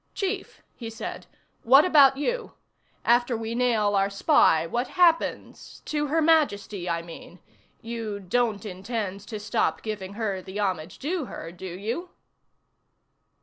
"Chief," he said, "what about you? After we nail our spy, what happens to Her Majesty, I mean? You don't intend to stop giving her the homage due her, do you?"